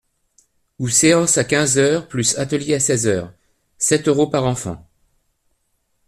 Ou séance à quinze heures plus atelier à seize heures : sept euros par enfant.